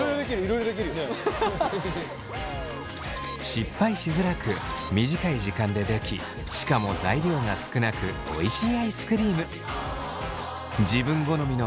失敗しづらく短い時間でできしかも材料が少なくおいしいアイスクリーム。